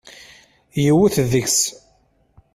Yewwet deg-s.